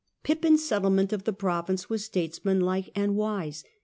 Pippin's settlement of the province was statesmanlike and wise.